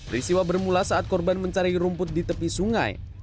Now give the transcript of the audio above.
risiwa bermula saat korban mencari rumput di tepi sungai